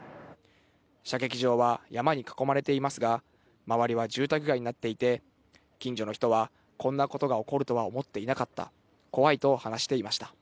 射撃場は山に囲まれていますが、周りは住宅街になっていて、近所の人は、こんなことが起こるとは思っていなかった、怖いと話していました。